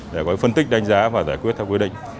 để có phân tích đánh giá và giải quyết theo quy định